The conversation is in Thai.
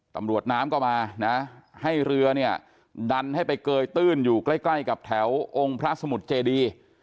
ตำรวจน้ำก็มานะให้เรือเนี่ยดันให้ไปเกยตื้นอยู่ใกล้ใกล้กับแถวองค์พระสมุทรเจดี